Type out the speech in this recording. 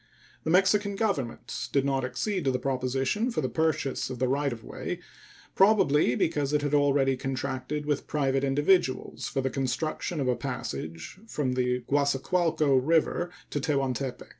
The Mexican Government did not accede to the proposition for the purchase of the right of way, probably because it had already contracted with private individuals for the construction of a passage from the Guasacualco River to Tehuantepec.